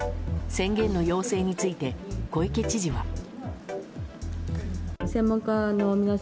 宣言の要請について小池知事は。